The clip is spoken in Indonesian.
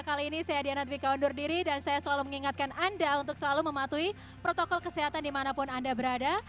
kali ini saya diana twika undur diri dan saya selalu mengingatkan anda untuk selalu mematuhi protokol kesehatan dimanapun anda berada